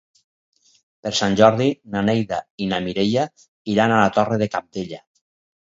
Per Sant Jordi na Neida i na Mireia iran a la Torre de Cabdella.